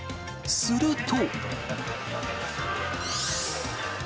すると。